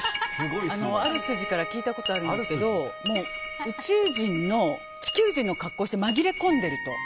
ある筋から聞いたことがあるんですけどもう、宇宙人が地球人の格好をして紛れ込んでいると。